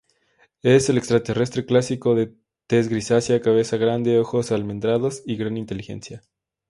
Es el extraterrestre clásico de tez grisácea, cabeza grande, ojos almendrados y gran inteligencia.